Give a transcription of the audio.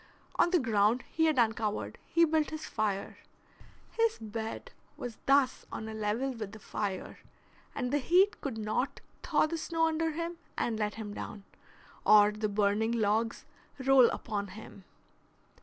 On the ground he had uncovered he built his fire. His bed was thus on a level with the fire, and the heat could not thaw the snow under him and let him down, or the burning logs roll upon him.